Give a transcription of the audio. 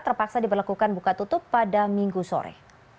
terpaksa diberlakukan buka tutup pada minggu sore